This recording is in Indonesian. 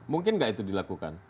mungkin nggak itu dilakukan